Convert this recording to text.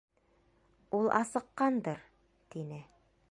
— Ул асыҡҡандыр, тине.